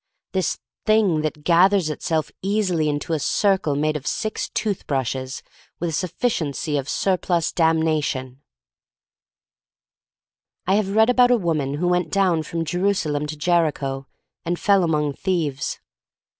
— this thing that gathers itself easily into a circle made of six tooth brushes with a sufficiency of surplus damnation. THE STORY OF MARY MAC LANE 1 27 I have read about a woman who went down from Jerusalem to Jericho and fell among thieves.